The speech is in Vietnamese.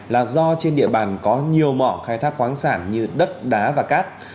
là do trên địa bàn có nhiều mỏ khai thác khoáng sản như đất đá và cát